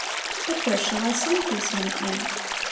But where shall I send these minute men